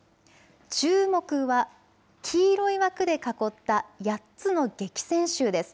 注目は黄色い枠で囲った８つの激戦州です。